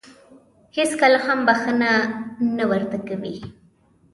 هېڅکله هم بښنه نه ورته کوي .